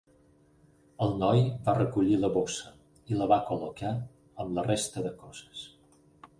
El noi va recollir la bossa i la va col·locar amb la resta de coses.